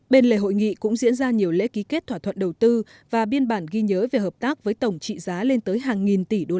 bên lề hội nghị cũng diễn ra nhiều lễ ký kết thỏa thuận đầu tư và biên bản ghi nhớ về hợp tác với tổng trị giá lên tới hàng nghìn tỷ usd